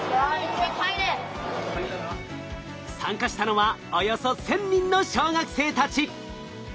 参加したのはおよそ１，０００人の小学生たち！